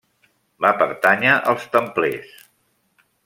Va pertànyer als templers.